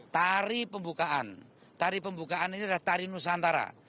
tari pembukaan tari pembukaan ini adalah tari nusantara